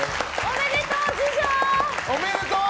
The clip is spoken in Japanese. おめでとう！